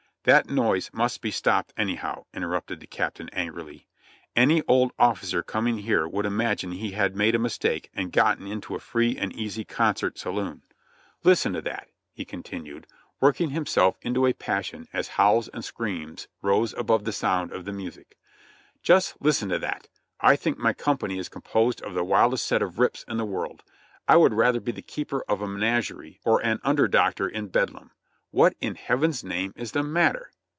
"That noise must be stopped anyhow," interrupted the Captain angrily. "Any old officer coming here would imagine he had made a mistake and gotten into a free and easy concert saloon ! LIFE IN THE BARRACKS 3 1 Listen to that !" he continued, working himself into a passion, as howls and screams rose above the sound of the music. "Just listen to that! I think my company is composed of the wildest set of rips in the world ! I would rather be the keeper of a menagerie or an under doctor in bedlam ! What in Heaven's name is the matter?